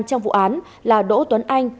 trong vụ án là đỗ tuấn anh